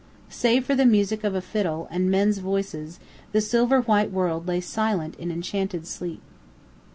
Save for the music of a fiddle and men's voices, the silver white world lay silent in enchanted sleep.